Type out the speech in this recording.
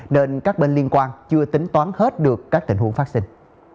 nên các bên liên quan chưa tính toán hết được các tình huống phát sinh